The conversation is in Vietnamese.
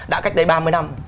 đã cách đây ba mươi năm